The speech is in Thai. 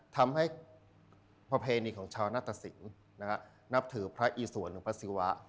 ทำให้ประเพณีของชาวนาตสินนับถือพระอีสวนหรือพระศิวะ